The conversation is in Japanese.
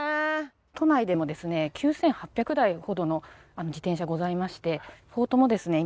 都内でもですね９８００台ほどの自転車がございましてポートもですね